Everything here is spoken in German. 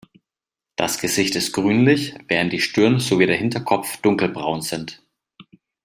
Das Gesicht ist grünlich, während die Stirn sowie der Hinterkopf dunkelbraun sind.